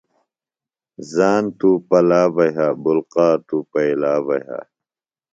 ژان توۡ پلا بہ یھہ بولقع پیِئلا بہ یھہ۔